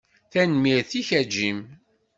Tanemmirt-ik a Jim.